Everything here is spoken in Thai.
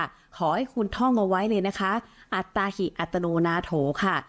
ขอให้คุณท่องเอาไว้เลยนะคะอัตตาหิอัตโนนาโถค่ะ